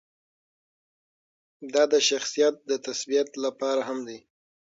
دا د شخصیت د تثبیت لپاره هم ده.